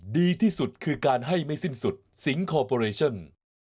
ดีที่สุดคือการให้ไม่สิ้นสุดสิงคอร์ปอเรชั่น